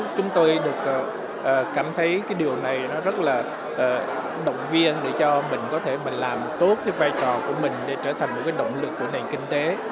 chúng tôi cảm thấy điều này rất là động viên để cho mình có thể làm tốt vai trò của mình để trở thành một động lực của nền kinh tế